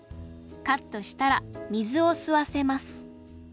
カットしたら水を吸わせます